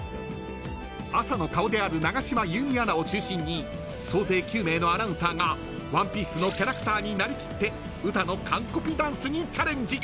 朝の顔である永島優美アナを中心に総勢９名のアナウンサーがＯＮＥＰＩＥＣＥのキャラクターになりきってウタの完コピダンスにチャレンジ。